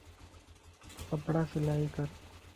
ڪپڙا سلائي ڪر